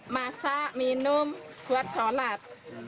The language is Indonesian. masak minum buat sholat